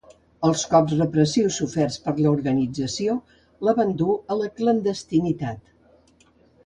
Els cops repressius soferts per l'organització la van dur a la clandestinitat.